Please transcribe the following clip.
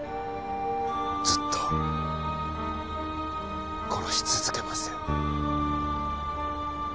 ずっと殺し続けますよ。